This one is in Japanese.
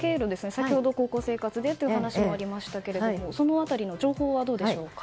先ほど高校生活でという話もありましたがその辺りの情報はどうでしょうか。